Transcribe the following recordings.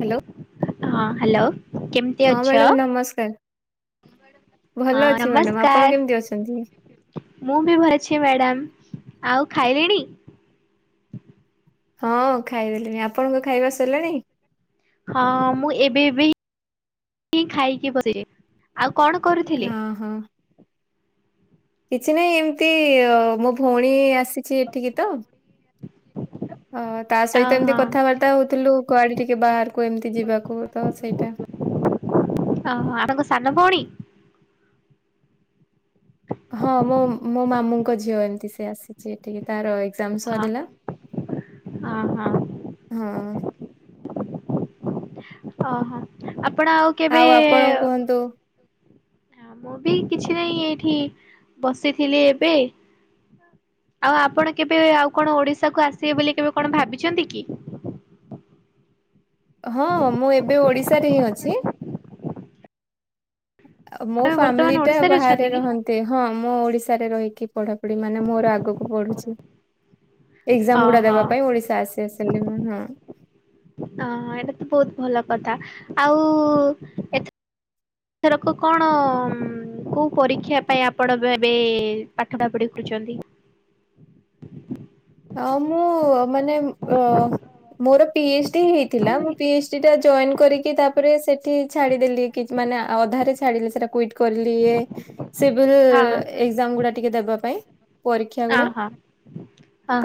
Hello ହଁ hello କେମ ହଁ ମ୍ୟାଡ଼ାମ ନମସ୍କାର। ହଁ ଭଲ ଅଛି ମ୍ୟାଡ଼ାମ ନମସ୍କାର ଆପଣ କେମିତି ଅଛନ୍ତି। ମୁଁ ବି ଭ ଅଛି ମ୍ୟାଡାମ ଆଉ ଖାଇଲେଣି? ହଁ ଖାଇଦେଲିଣି ଆପଣଙ୍କ ଖାଇବା ସରିଲାଣି? ହଁ ମୁଁ ଏବେ ଏବେ ଏଇ ଖାଇକି ବସିଛି ଆଉ କଣ କରୁଥିଲେ? ଓ ହଁ କିଛି ନାହିଁ ଏମିତି ମୋ ଭଉଣୀ ଆସିଛି ଏଠିକି ତ। ହ ହ ତା ସହିତ ଏମିତି କଥାବାର୍ତ୍ତା ହଉଥିଲୁ କୁଆଡେ ଟିକେ ବାହାରକୁ ଏମିତି ଯିବାକୁ ତ ସେଇଟା। ହଁ ହଁ ଆପଣଙ୍କ ସାନ ଭଉଣୀ? ହଁ ମୋ ମୋ ମାମୁଙ୍କ ଝିଅ ଏମିତି ସେ ଆସି ଛି ଏଠିକି ତାର ଏକ୍ସାମ ଓହୋ ସରିଲା ଓହୋ ହଁ। ଓହୋ ଆପଣ ଆଉ କେବେ? ଆପଣ କୁହନ୍ତୁ ମୁଁ ବି କିଛି ନାହିଁ ଏଇଠି ବସିଥିଲି ଏବେ। ଆଉ ଆପଣ କେବେ ଆଉ କଣ ଓଡିଶା କୁ ଆସିବେ ବୋଲି କେବେ କଣ ଭାବିଛନ୍ତି କି? ହଁ ମୁଁ ଏବେ ଓଡିଶାରେ ହିଁ ଅଛି। ମୋ ଆପଣ ବର୍ତ୍ତମାନ ଫାମିଲି ଟା ଓଡିଶାରେ ବାହାରେ ଅଛନ୍ତି କି? ରହନ୍ତି। ହଁ ମୁଁ ଓଡିଶାରେ ରହିକି ପଢାପଢି ମାନେ ମୋର ଆଗକୁ ପଢୁଛି। ଏକ୍ସାମ ଗୁଡା ଓହୋ ଦେବା ପାଇଁ ଓଡିଶା ଆସି ଆସିଲି ମୁଁ ହଁ। ହ ଏଇଟା ତ ବହୁତ ଭଲ କଥା ଆଉ ଏ ରକ କଣ କୋଉ ପରୀକ୍ଷା ପାଇଁ ଆପଣ ଏବେ ପାଠଟା କୁ ଦେଖୁଛନ୍ତି ହଁ ମୁଁ ମାନେ ଅ ମୋର ପିଏଚ ଡି ହେଇଥିଲା ମୁ ପିଏଚ ଡି ଟା ଜଏନ କରିକି ତା ତାପରେ ସେଠି ଛାଡିଦେଲି କି ମାନେ ଅଧାରେ ଛାଡିଲି ସେଟା କୁଇଟ କରିଲି। ସିଭିଲ୍ ହଁ ଏକ୍ଜାମ ଗୁଡା ଟିକେ ଦେବା ପାଇଁ ପରୀକ୍ଷା ହଁ ଅ ଗୁଡା ହଁ।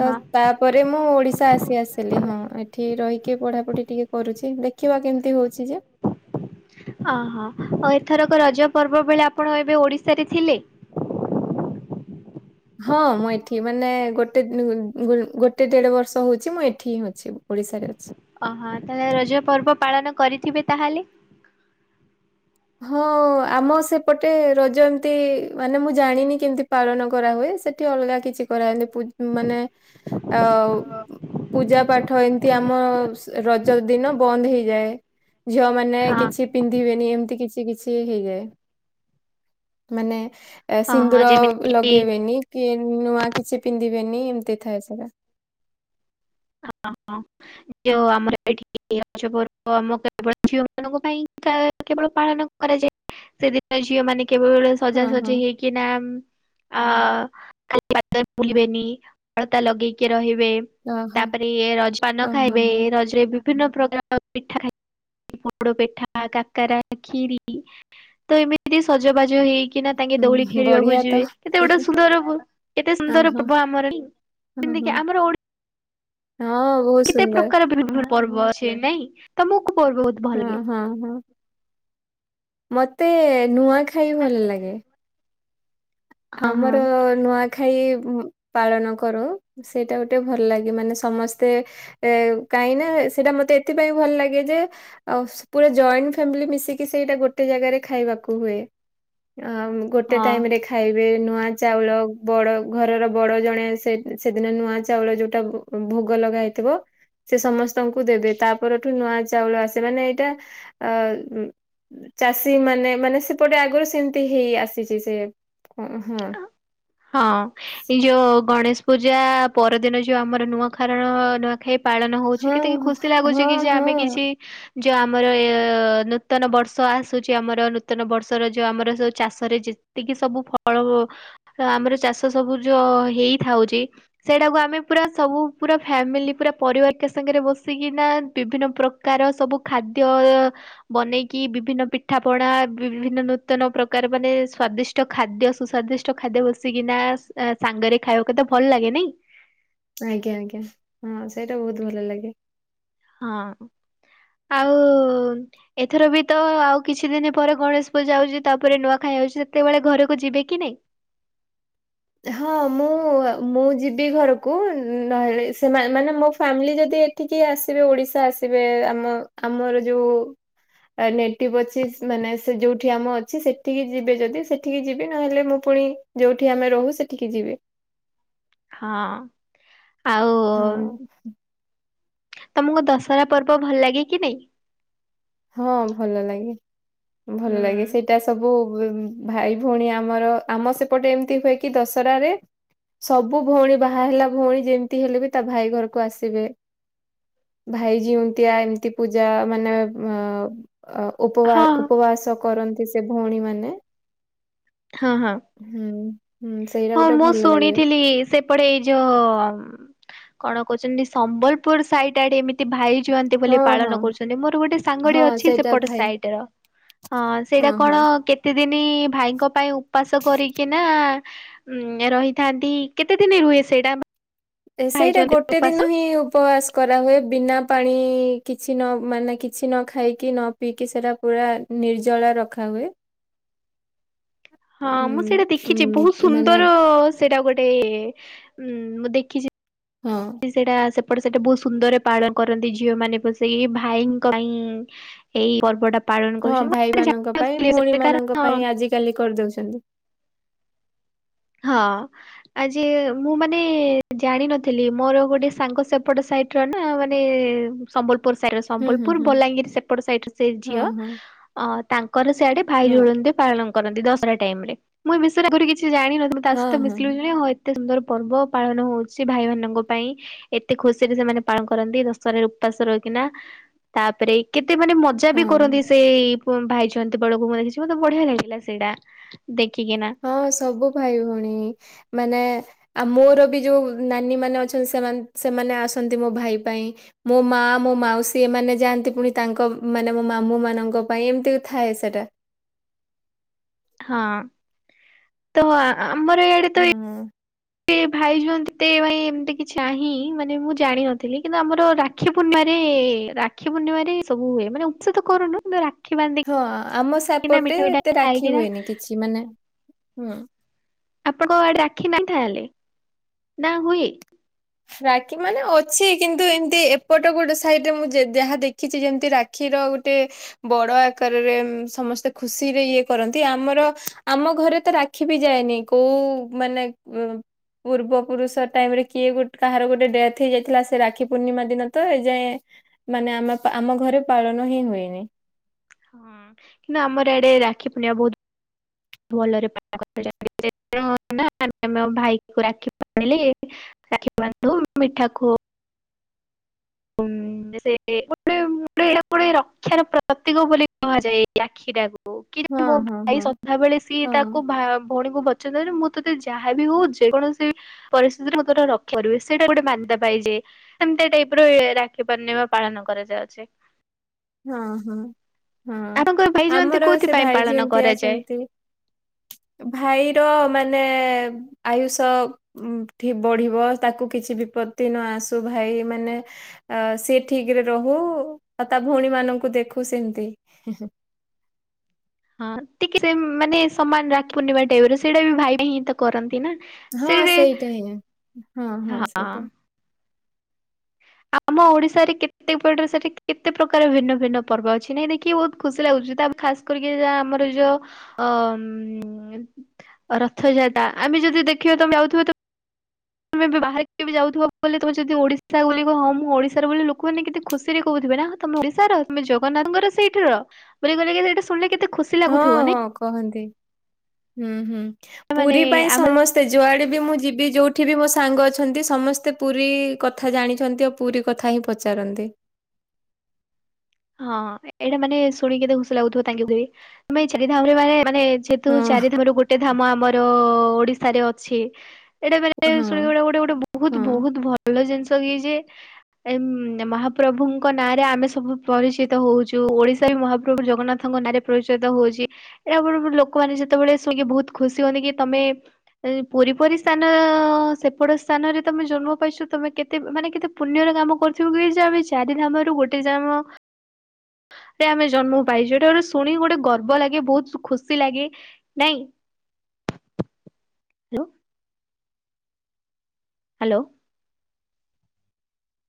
ତ ତା ପରେ ମୁଁ ଓଡିଶା ଆସି ଆସିଲି ହଁ ଏଠି ରହିକି ପଢାପଢି ଟିକେ କରୁଛି ଦେଖିବା କେମିତି ହଉଛି ଯେ। ଓହୋ ଆଉ ଏଥରକ ରଜ ପର୍ବ ବେଳେ ଆପଣ ଏବେ ଓଡିଶାରେ ଥିଲେ? ହଁ ମୁଁ ଏଠି ମାନେ ଗୋଟେ ଗୋଟେ ଦେଢ ବର୍ଷ ହଉଛି ମୁଁ ଏଠି ହିଁ ଅଛି। ଓଡ଼ିଶାରେ ଅଛି। ଓହୋ ତାହେଲେ ରଜ ପର୍ବ ପାଳନ କରିଥିବେ ତାହେଲେ। ହଁ ଆମ ସେପଟେ ରଜ ଏମିତି ମାନେ ମୁଁ ଜାଣିନି କେମିତି ପାଳନ କରାହୁଏ ସେ ଠି ଅଲଗା କିଛି କରାନ୍ତି ପୁ ମାନେ ହଁ ଆଉ ପୂଜା ପାଠ ଏମିତି ଆମ ରଜ ଦିନ ବନ୍ଦ ହେଇଯାଏ ଝିଅ ମାନେ ହଁ। କିଛି ପିନ୍ଧିବେନି ଏମିତି କି ଛି କିଛି ହେଇଯାଏ ମାନେ ହଁ ହଁ ସିନ୍ଦୁର ଯେମିତି କିି ଲଗେଇବେନି। କିଏ ନୂଆ କିଛି ପିନ୍ଧିବେନି ଏମିତି ଥାଏ ସେଟା। ହ ହ ଯଉ ଆମର ଏଠି ପର୍ବ ଆମ କେବଳ ଝିଅ ମାନଙ୍କ ପାଇଁ ହେଇଥାଏ କେବଳ ପାଳନ କରାଯାଏ ସେଦିନ ଝିଅ ମାନେ କେବଳ ହଁ ହଁ ସଜାସଜି ହେଇକିନା ଅ ଖାଲି ପାଦରେ ବୁଲିବେନି ଅଳତା ଲଗେଇକି ରହିବେ ଓହୋ ତାପରେ ଇଏ ରଜ ପାନ ଓହୋ ଖାଇବେ ହୋ। ରଜରେ ବିଭିନ୍ନ ପ୍ରକାର ପିଠା ଖାଇ ପୋଡ ପେଠା କାକ କ୍ଷୀରି ତ ଏମିତି ସଜବାଜ ହେଇକି କିନା ତାଙ୍କେ ଦଉଳି ହୁଁ ଖେଳିବାକୁ ବଢିଆ ତ ଯିବେ କେତେ ଗୋଟେ ସୁନ୍ଦର କେତେ ହଁ ସୁନ୍ଦର ହଁ ପର୍ବ ଆମ ହଁ ହଁ ତିକି ଆମର ହଁ ବହୁ କେତେ ପ୍ରକାର ବିଭିନ୍ନ ପର୍ବ ଅଛି ନାଇଁ ତମକୁ ପର୍ବ ଭଲ ହଁ ଲାଗେ? ହଁ ହଁ। ମତେ ନୂଆ ଖାଇ ଭଲ ଲାଗେ। ହଁ ହଁ ଆମର ନୂଆ ଖାଇ ପାଳନ କରୁ ସେଇଟା ଗୋଟେ ଭଲ ଲାଗେ ମାନେ ସମସ୍ତେ ଏ କାହିଁକିନା ସେଇଟା ମତେ ଏଥିପାଇଁ ଭଲ ଲାଗେ ଯେ ଆଉ ପୁରା ଜଏଣ୍ଟ ଫ୍ୟାମିଲି ମିଶିକି ସେଇଟା ଗୋଟେ ଜାଗାରେ ଖାଇବାକୁ ହୁଏ। ଆ ଗୋଟେ ଟାଇମ ରେ ହଁ ଖା ଖାଇବେ ନୂଆ ଚାଉଳ ବଡ଼ ଘରର ବଡ଼ ଜଣେ ସେ ସେଦିନ ନୂଆ ଚାଉଳ ଯେଉଁଟା ଭୋଗ ଲଗା ହେଇଥିବ। ସେ ସମସ୍ତଙ୍କୁ ଦେବେ ତାପଠୁ ନୂଆ ଚାଉଳ ଆସେ ମାନେ ଏଇଟା ଆଃ ଚାଷୀ ମାନେ ମାନେ ସେପଟେ ଆଗରୁ ସେମିତି ହେଇ ଆସିଛି ସେ କ ହଁ। ହଁ। ଏଇ ଯୋଉ ଗଣେଶ ପୂଜା ପରଦିନ ଯୋଉ ଆମର ନୂଆ ଖାରଣ ନୂଆଖାଇ ପାଳନ ହଉଛି କେତିକି ଖୁସି ଲାଗୁଛି ହଁ କି ଯେ ହଁ ଆମେ କିଛି ଯଉ ଆମର ଏ ନୂତନ ବର୍ଷ ଆସୁଛି ଆମର ନୂତନ ବର୍ଷର ଯଉ ଆମର ସ ଚାଷରେ ଚି ଏତିକି ସବୁ ଫଳ ଆମର ଚାଷ ସବୁ ଯଉ ହେଇଥାଉଛି। ସେଇଟାକୁ ଆମେ ପୁରା ସବୁ ପୁରା ଫ୍ୟାମିଲି ପୁରା ପରିବାର ସାଙ୍ଗରେ ବସିକିନା ବିଭିନ୍ନ ପ୍ରକାର ପ୍ରକାର ସବୁ ଖାଦ୍ୟ ବନେଇକି ବିଭିନ୍ନ ପିଠା ପଣା ବିଭିନ୍ନ ନୂତନ ପ୍ରକାର ମାନେ ସ୍ଵାଦିଷ୍ଟ ଖାଦ୍ୟ। ସୁସ୍ଵାଦିଷ୍ଟ ଖାଦ୍ୟ ବସିକିନା ସାଙ୍ଗରେ ଖାଇବା କେ ତେ ଭଲ ଲାଗେ ନାଇଁ? ଆଜ୍ଞା ଆଜ୍ଞା ହଁ ସେଇଟା ବହୁତ ଭଲ ଲାଗେ। ହଁ ଆଉ ଏଥର ବି ତ ଆଉ କିଛି ଦିନ ପରେ ଗଣେଶ ପୂଜା ହଉଛି ତାପରେ ନୂଆ ଖାଇ ହାଉଛି ସେତେବେଳେ ଘରକୁ ଯିବେ କି ନାଇଁ? ହଁ ମୁଁ ମୁଁ ଯିବି ଘରକୁ ନହେଲେ ସେମାନେ ମାନେ ମୋ ଫ୍ୟାମିଲି ଯଦି ଟିକେ ଆସିବେ ଓଡିଶା ଆସିବେ ଆମ ଆମର ଯୋଉ ନେଟିଭ୍ ଅଛି ମାନେ ସେ ଯଉଠି ଆମ ଅଛି ସେଠିକି ଯିବେ ଯଦି ସେଠିକି ଯିବି ନହେଲେ ମୁଁ ପୁଣି ଯୋଉଠି ଆମେ ରହୁ ସେଠିକି ଯିବେ। ହଁ ଆଉ ହଁ ତମକୁ ଦସହରା ପର୍ବ ଭଲ ଲାଗେକ ନାଇଁ? ହଁ ଭଲ ଲାଗେ ଭଲ ହୁଁ ଲାଗେ ସେଇ ଏତ ସବୁ ଭାଇ ଭଉଣୀ ଆମର ଆମ ସେପଟେ ଏମିତି ହୁଏ କି ଦଶହରାରେ ସବୁ ଭଉଣୀ ବାହା ହେଲା ଭଉଣୀ ଯେମିତି ହେଲେ ବି ତା ଭାଇ ଘରକୁ ଆସିବେ। ଭାଇ ଯିଉନ୍ତିଆ ଏମିତି ପୂଜା ମାନେ ଅ ଉପବା ହଁ ଉପବାସ କରନ୍ତି ସେ ଭଉଣୀମାନେ ହଁ ହଁ ସେଇଟା ହଁ ଗୋଟେ ମୁଁ ଭଲ ଲାଗେ ଶୁଣିଥିଲି ସେ ପଟେ ଏଇ ଯୋଉ କଣ କହୁଛନ୍ତି ସମ୍ବଲପୁର ସାଇଟଡେ ଏମିତି ଭାଇ ଯୁଅନ୍ତି ବୋଲି ହଁ ହଁ ପାଳନ କରୁଛନ୍ତି ମୋର ଗୋଟେ ସାଙ୍ଗଡି ହଁ ଅଛି ସେଇଟା ସେପଟ ଭାଇ ସାଇଡ ର ହଁ ସେଇଟା କଣ କେତେ ଦିନ ଭାଇଙ୍କ ପାଇଁ ଉପାସ କରିକି ନା ଉଁ ରହିଥାନ୍ତି କେତେ ଦିନ ରୁହେ ସେଇଟା ଭାଇ ସେଇଟା ଜୁଆନ୍ତି ଗୋଟେ ଉପାସ? ଦିନ ହିଁ ଉପବାସ କରାହୁଏ ବିନା ପାଣି କିଛି ନ ମାନେ କିଛି ନ ଖାଇକି ନ ପିଇକି ସେଇଟା ପୁରା ନିର୍ଜଳା ରଖାହୁଏ। ହଁ ଉଁ ମୁଁ ସେଇଟା ଦେଖିଚି ଉଁ ବହୁ ମାନେ ସୁନ୍ଦର ସେଇଟା ଗୋଟେ ଉଁ ମୁଁ ଦେଖିଚି। ହଁ। ସେଇଟା ସେପଟେ ସେଟା ବହୁତ ସୁନ୍ଦରରେ ପାଳନ କରନ୍ତି ଝିଅମାନେ ବସେଇ ଭାଇଙ୍କପାଇଁ। ଏଇ ପର୍ବଟା। ପାଳନ ହଁ ଭାଇମାନଙ୍କ ପାଇଁ କରୁଛନ୍ତି ଭଉଣୀମାନଙ୍କ କାରଣ ପାଇଁ ଆଜିକାଲି କରିଦଉଚନ୍ତି। ହଁ ଆଜି ମୁଁ ମାନେ ଜାଣିନଥିଲି ମୋର ଗୋଟେ ସାଙ୍ଗ ସେପଟ ସାଇଟ ରନା ମାନେ ସମ୍ବଲପୁର ସାଇଟର ସେ ହୁଁ ହୁଁ ସମ୍ବଲପୁର ହୁଁ ବଲାଙ୍ଗିର ସେପଟ ସାଇଟର ସେ ହଁ ଝିଅ ହଁ ଅ ତାଙ୍କର ସେଆଡେ ଭାଇ ହଁ ଜୋଳନ୍ତେ ପାଳନ କରନ୍ତି ଦଶରା ଟାଇମରେ ମୁଁ ଏ ବିଷୟରେ ଆଗୁରୁ କିଛି ଜାଣିନଥିଲି ହଁ ତାସହିତ ହଁ। ମିଶିଲୁଣି ଲୁଣି ହ ଏତେ ସୁନ୍ଦର ପର୍ବ ପାଳନ ହଉଚି ଭାଇମାନଙ୍କ ପାଇଁ। ଏତେ ଖୁସିରେ ସେମାନେ ପାଳନ କରନ୍ତି ଦଶହରାରେ ଉପାସ ରହିକିନା ତାପରେ କେତେ ମାନେ ମଜା ବି କରନ୍ତି ହଁ ସେଇ ଉଁ ଭାଇଛୁଆନ୍ତି ବଳକୁ ମୁଁ ଦେଖିଚି ମତେ ବଢିଆ ଲାଗିଲା ସେଇଡା ଦେଖିକିନା। ହଁ ସବୁ ଭାଇଭଉଣୀ ମାନେ ଆଉ ମୋର ବି ଯୋଉ ନାନୀମାନେ ଅଛନ୍ତି ସେମାନେ ସେମାନେ ଆସନ୍ତି ମୋ ଭାଇପାଇଁ। ମୋ ମା ମୋ ମାଉସୀ ଏମାନେ ଯାଆନ୍ତି ପୁଣି ତାଙ୍କ ମାନେ ମୋ ମାମୁଁ ମାନଙ୍କପାଇଁ ଏମତି ଥାଏ ସେଟା। ହଁ ତ ଆ ଆମର ଇଆଡେ ତ ଏଇ ହୁଁ। ଭାଇ ଜୋନ୍ତି କେତେ ଭାଇ ଏମତି କିଛିନାହିଁ ମାନେ ମୁଁ ଜାଣିନଥିଲି କିନ୍ତୁ ଆମର ରାକ୍ଷୀ ପ୍ରୁଣ୍ଣିମା ରେ ରା ରାକ୍ଷୀ ପୂର୍ଣ୍ଣିମାରେ ସବୁହୁଏ ମାନେ ଓସା ତ କରୁନୁ କିନ୍ତୁ ରା ହଁ ଆମ ସେପଟେ ଏତେ ରାକ୍ଷୀ ଖାଇକିନା ହୁଏନି କିଛି ମାନେ ହୁଁ। ଆପଣଙ୍କଆଡେ ରାକ୍ଷୀ ନାହିଁ ତାହେଲେ ନା ହୁଏ? ରାକ୍ଷୀ ମାନେ ଅଛି କିନ୍ତୁ ଏମତି ଏପଟ ଗୋଟେ ସାଇଡରେ ମୁଁ ଯେ ଯାହା ଦେଖିଚି ଯେମତି ରା କ୍ଷୀର ଗୋଟେ ବଡଆକାରରେ ସମସ୍ତେ ଖୁସିରେ ଇଏ କରନ୍ତି ଆମର ଆମ ଘରେ ତ ରା କ୍ଷୀ ବିି ଯାଏନି କୋଉ ମାନେ ପୂର୍ବପୁରୁଷ ଟାଇମରେ କିଏ ଗୋ କାହାର ଗୋଟେ ଡେଥ ହେଇଯାଇଥିଲା ସେ ରାକ୍ଷୀ ପୂର୍ଣ୍ଣିମା ଦିନ ତ ଏଯାଏଁ ମାନେ ଆମ ପା ଆମ ଘରେ ପାଳନ ହିଁ ହୁଏନି। ହୁଁ କିନ୍ତୁ ଆମର ଆଡେ ରାକ୍ଷୀ ପୂର୍ଣ୍ଣିମା ବହୁତ ଭଲରେ ପାଳନ କରାଯାଏ। [unintelligible] ଆମଭାଇକୁ ରାକ୍ଷୀ ବାନ୍ଧିଲେ। ରାକ୍ଷୀ ବାନ୍ଧିବୁ ମିଠା ଖୁଅ ଉଁ ସେ ଗୋଟେ ଗୋଟେ ଏଟାଗୋଟେ ରକ୍ଷାର ପ୍ରତୀକ ବୋଲି କୁହାଯାଏ ଏଇ ରାକ୍ଷୀଟାକୁ। ଓ କି ଜାଣେ ହଁ ମୋ ହଁ ଭାଇ ହଁ ସଧାବଳେ ସିଏ ହଁ ତାକୁ ଭା ଭଉଣୀକୁ ଭ ପର୍ଯ୍ୟନ୍ତ ମୁଁ ତତେ ଯାହାବି ହଉ ଯେକୌଣସି ପରିସ୍ଥିତିରେ ମତେ ଗୋଟେ ରକ୍ଷା କରିପାରିବି ସେଇଟା ଗୋଟେ ମାନ୍ୟତା ପାଇଯାଏ ଏମତିଆ ଟାଇପ ରେ ରାକ୍ଷୀ ପୂର୍ଣ୍ଣିମା ପାଳନ କରାଯାଉଚି। ଉଁହୁଁ ହୁଁ ଆପଣଙ୍କର ଭାଇ ଜୟନ୍ତୀ ଆମର ସେ କୋଉଥିପାଇଁ ଭାଇ ପାଳନ ଯିନ୍ତିଆ କରାଯାଏ? ସେମତି [inaudible] ଭାଇର ମାନେ ଆୟୁଷ ଉଁ ଠି ବଢିବ ତାକୁ କିଛି ବିପତ୍ତି ନ ଆସୁ ଭାଇ ମାନେ ଅ ସେ ଠିକରେ ରହୁ। ଆଉ ତା ଭଉଣୀ ମାନଙ୍କୁ ଦେଖୁ ସେମତି। ହଁ ଟିକେ ସେ ମାନେ ସମାନ ରାକ୍ଷୀ ପୂର୍ଣ୍ଣିମା ଟାଇପର ସେଇଟାବି ଭାଇ ପାଇଁହିଁ ତ କରନ୍ତିନା ହଁ ସେଇହିଁ ସେଇଟା ହିଁ ହଁ। ଆମ ଓଡିଶାରେ କେତେ କୁଆଡ଼ୁ ସେଠି କେତେ ପ୍ରକାର ଭିନ୍ନଭିନ୍ନ ପର୍ବଅଛି ନାଇଁ ଦେଖିକି ବହୁତ ଖୁସି ଲାଗୁଚି ତା ଖାସ୍ କରିକି ଯା ଆମର ଯୋଉ ଅଁ ରଥଯାତା ଆମେ ଯଦି ଦେଖିବା ତମେ ଯାଉଥିବ ତ ତମେ ଏବେ ବାହାରେ କେବି ଯାଉଥିବ ବୋଲି ତୁମେ ଯଦି ଓଡ଼ିଶା ବୋଲି କହିବ ହଁ ମୁଁ ଓଡ଼ିଶାରୁ ବୋଲି ଲୋକମାନେ କେତେ ଖୁସିରେ କହୁଥିବେନା ହ ତମେ ଓଡ଼ିଶାର ତମେ ଜଗନ୍ନାଥଙ୍କର ସେଇଠି ରୁହ ବୋଲି କହିଲେକି ଏଟା ଶୁଣିଲେ କେତେ ଖୁସ ହଁ ହଁ କହନ୍ତି ହୁଁ ହୁଁ ମାନେ ପୁରୀ ପାଇଁ ଆମର ସମସ୍ତ ତେ ଯୁଆଡ଼େବି ମୁଁ ଯିବି ଯେଉଁଠିବି ମୋ ସାଙ୍ଗ ଅଛନ୍ତି ସମସ୍ତେ ପୁରୀ କଥା ଜାଣିଚନ୍ତି। ପୁରୀ କଥାହିଁ ପଚାରନ୍ତି। ହଁ ଏଇଟା ମାନେ ଶୁଣ କେତେ ଖୁସି ଲାଗୁଥିବ ତାଙ୍କ ତେବେ ଶ୍ରୀ ଧାମରେ ମାନେ ମାନେ ଯେହେତୁ ହଁ ଚାରି ଧାମରୁ ଗୋଟେ ଧାମ ଆମର ଓଡ଼ିଶାରେ ଅଛି ଏଇଟା ମାନେ ହଁ ଶୁଣିବ ଗୁଡ଼ା ଗୋଟେ ଗୋଟେ ବହୁତ୍ ହଁ। ବହୁତ୍ ଭ ଭଲ ଜିନିଷକିଯେ ଏ ମହାପ୍ରଭୁଙ୍କ ନାଁରେ ଆମେ ସବୁ ପରିଚିତ ହଉଚୁ ଓଡ଼ିଶାବି ମହାପ୍ରଭୁ ଜଗନ୍ନାଥଙ୍କ ନାଁରେ ପରିଚିତ ହଉଚି। ଏହା [unintelligible] ଲୋକମାନେ ଯେତେବେଳେ ଶୁଣିକି ବହୁତ୍ ଖୁସି ହୁଅନ୍ତିକି ତମେ ଅଁ ପୁରୀ ପୁରୀ ସ୍ଥାନ ସେପଟ ସ୍ଥାନରେ ତମେ ଜନ୍ମ ପାଇଛ ତମେ କେତେ ମାନେ କେତେ ପୁଣ୍ୟର କାମ କରୁଥିବୁକି ଯେଆମେ ଚାରି ଧାମରୁ ଗୋଟେ ଧାମ ସେ ଆମେ ଜନ୍ମ ପାଇଛୁ ସେଟା ଗୋଟେ ଶୁଣି ଗୋଟେ ଗର୍ବ ଲାଗେ ବହୁତ୍ ଖୁସି ଲାଗେ ନାଇଁ। Hello hello.